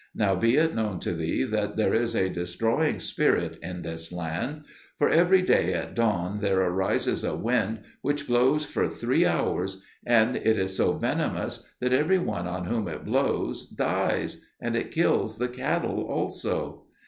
Now be it known to thee that there is a destroying spirit in this land; for every day at dawn there arises a wind which blows for three hours, and it is so venomous that every one on whom it blows dies, and it kills the cattle also.